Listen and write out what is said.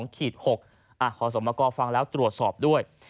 ขอสมกรฟังแล้วตรวจสอบด้วย